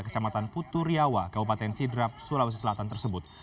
kecamatan putu riawa kabupaten sidrap sulawesi selatan tersebut